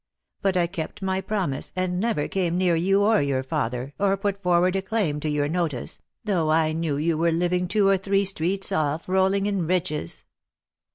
But I kept my promise, and never came near you or your father, or put for ward a claim to your notice, though I knew you were Irving two or three streets off, rolling in riches."